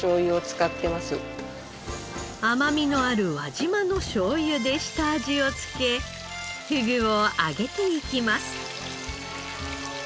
甘みのある輪島のしょうゆで下味を付けふぐを揚げていきます。